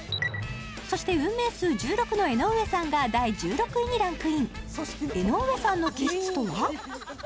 そして運命数１６の江上さんが第１６位にランクイン江上さんの気質とは？